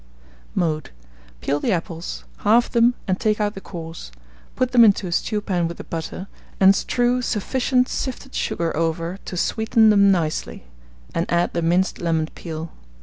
Mode. Peel the apples, halve them, and take out the cores; put them into a stewpan with the butter, and strew sufficient sifted sugar over to sweeten them nicely, and add the minced lemon peel.